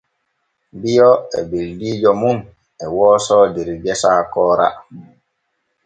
Bio e beldiijo mum e wooso der gesa koora.